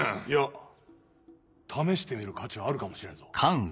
いや試してみる価値はあるかもしれんぞ。